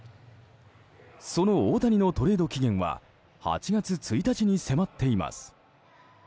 その大谷のトレード期限は８月１日に迫っています。